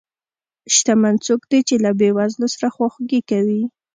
شتمن څوک دی چې له بې وزلو سره خواخوږي کوي.